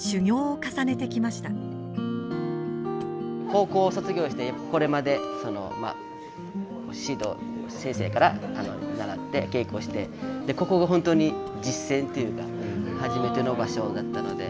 高校を卒業してこれまで先生から習って稽古をしてでここが本当に実践っていうか初めての場所だったので。